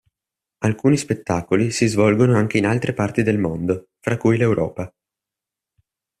Alcuni spettacoli si svolgono anche in altre parti del mondo, fra cui l'Europa.